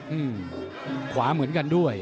อืมขวาเหมือนกันด้วย